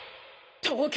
東京